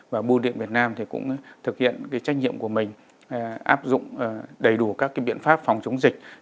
và bưu điện việt nam cũng thực hiện trách nhiệm của mình áp dụng đầy đủ các biện pháp phòng chống dịch